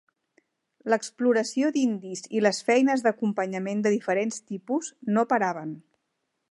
L'exploració d'indis i les feines d'acompanyament de diferents tipus no paraven.